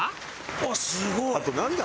あっすごい！